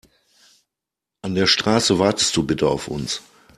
An der Straße wartest du bitte auf uns.